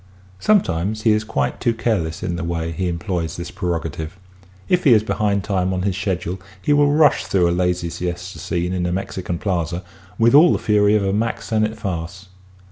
Sometimes he is quite too careless in the way he employs this prerogative. If he is behind time on his schedule he will rush through a lazy siesta scene in a Mexican plaza with all the fury of a Mack Sennett farce.